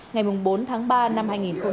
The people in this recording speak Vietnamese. ngày bốn tháng ba năm hai nghìn một mươi chín